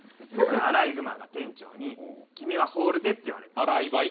アライグマが店長にホールでって言われてん。